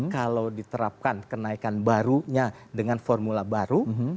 kalau diterapkan kenaikan barunya dengan formula baru